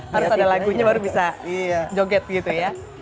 harus ada lagunya baru bisa joget gitu ya